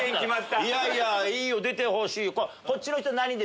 いやいやいいよ出てほしい。